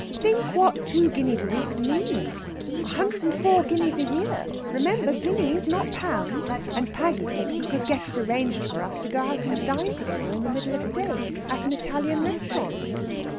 Think what two guineas a week means! A hundred and four guineas a year remember! guineas, not pounds. And Paggy thinks he could get it arranged for us to go out and dine together in the middle of the day at an Italian restaurant...."